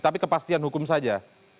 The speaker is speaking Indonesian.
tapi kepastian hukum saja